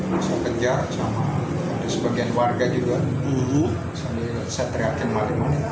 masa kejar sama sebagian warga juga sambil saya teriakkan maling maling